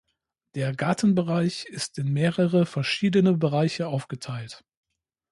Der Gartenbereich ist in mehrere verschiedene Bereiche aufgeteilt.